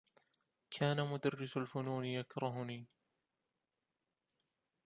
كان مدرّس الفنون يكرهني.